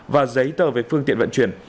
và giấy tờ về phương tiện vận chuyển